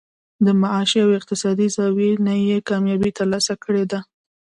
د معاشي او اقتصادي زاويې نه ئې کاميابي تر لاسه کړې ده